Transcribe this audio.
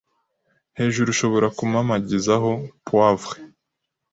hejuru ushobora kumamagizaho poivre